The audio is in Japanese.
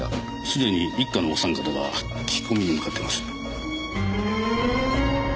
すでに一課のお三方が聞き込みに向かっています。